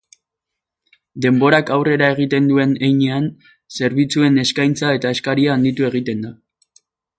Denborak aurrera egiten duen heinean, zerbitzuen eskaintza eta eskaria handitu egiten da.